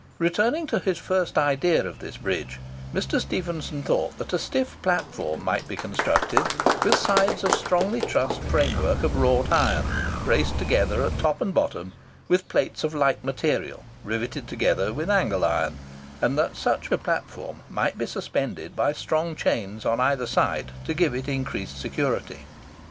Recurring to his first idea of this bridge, Mr. Stephenson thought that a stiff platform might be constructed, with sides of strongly trussed frame work of wrought iron, braced together at top and bottom with plates of like material riveted together with angle iron; and that such platform might be suspended by strong chains on either side to give it increased security.